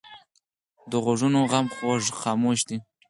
د غوږونو غم خاموش وي